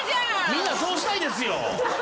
みんなそうしたいですよ！